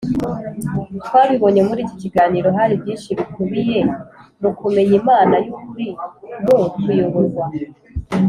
Twabibonye muri iki kiganiro hari byinshi bikubiye mu kumenya imana y ukuri mu kuyoborwa